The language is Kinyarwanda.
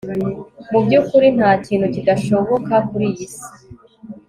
mubyukuri ntakintu kidashoboka kuriyi si